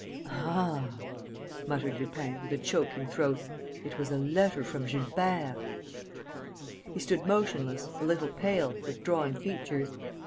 "Ah!" muttered Lupin, with a choking throat. "It was a letter from Gilbert!" He stood motionless, a little pale, with drawn features.